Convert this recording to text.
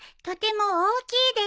とても大きい？